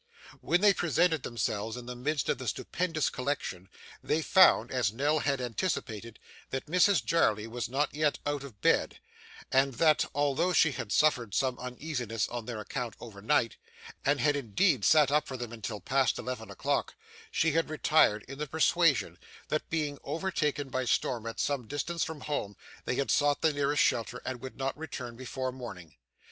When they presented themselves in the midst of the stupendous collection, they found, as Nell had anticipated, that Mrs Jarley was not yet out of bed, and that, although she had suffered some uneasiness on their account overnight, and had indeed sat up for them until past eleven o'clock, she had retired in the persuasion, that, being overtaken by storm at some distance from home, they had sought the nearest shelter, and would not return before morning.